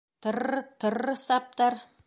Тр-р-р, тр-р-р, Саптар!